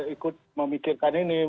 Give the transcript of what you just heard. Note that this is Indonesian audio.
ikut memikirkan ini